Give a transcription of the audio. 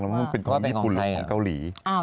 ว่าเป็นของใครเป็นของมีผลของเกาหลี